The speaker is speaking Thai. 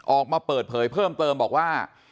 ออกมาเปิดเผยเพิ่มเติมบอกว่า